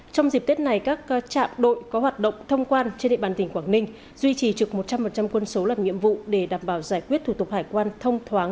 trong dịp tết này các trạm đội có hoạt động thông quan trên địa bàn tỉnh quảng ninh duy trì trực một trăm linh quân số làm nhiệm vụ để đảm bảo giải quyết thủ tục hải quan thông thoáng